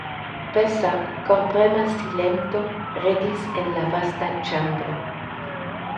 Pesa, korprema silento regis en la vasta ĉambro.